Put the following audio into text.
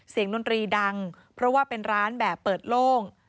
ดนตรีดังเพราะว่าเป็นร้านแบบเปิดโล่ง